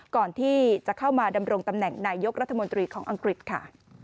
ก่อนที่จะเข้ามาดำรงตำแหน่งนายยกรัฐมนตรีของอังกฤษค่ะ